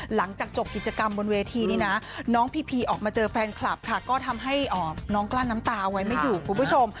หลังจากจบกิจกรรมบนเวทีนี้นะน้องพีพีออกมาเจอแฟนคลับค่ะก็ทำให้น้องกลั้นน้ำตาเอาไว้ไม่อยู่คุณผู้ชม